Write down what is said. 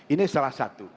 ini salah satu